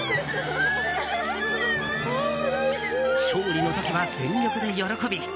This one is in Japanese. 勝利の時は全力で喜び。